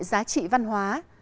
mọi giá trị văn hóa